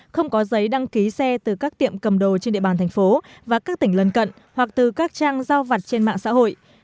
không có giấy đăng ký xe từ các tiệm cầm đồ trên địa bàn thành phố và các tỉnh lân cận hoặc từ các trang giao vặt trên mạng xã hội